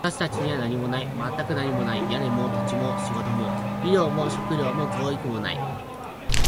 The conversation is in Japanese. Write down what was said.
私たちには何もない。全く何もない。屋根も、土地も、仕事も、医療も、食料も、教育もない。